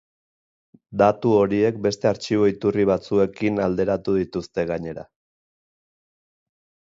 Datu horiek beste artxibo-iturri batzuekin alderatu dituzte, gainera.